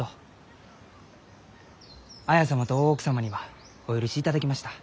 綾様と大奥様にはお許しいただきました。